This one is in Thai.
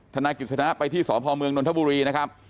ธนาคิดศนะไปที่สอบภอมเมืองนนทบุรีนะครับ